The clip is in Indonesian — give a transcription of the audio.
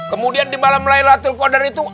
kemudian di malam laylatul qadar itu